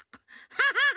ハハハッ！